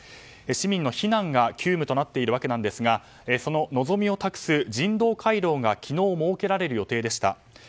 市民の避難が急務となっているわけですがその望みを託す人道回廊が昨日設けられる予定でした。